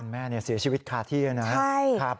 แม่เสียชีวิตคาที่แล้วนะ